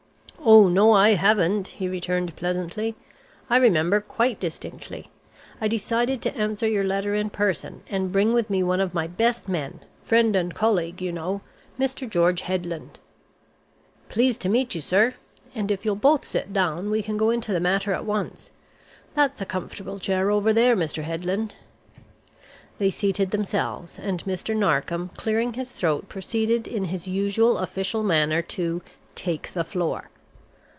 "Oh no, I haven't," he returned pleasantly, "I remember quite distinctly. I decided to answer your letter in person, and bring with me one of my best men friend and colleague, you know Mr. George Headland." "Pleased to meet you, sir. And if you'll both sit down we can go into the matter at once. That's a comfortable chair over there, Mr. Headland." They seated themselves, and Mr. Narkom, clearing his throat, proceeded in his usual official manner to "take the floor."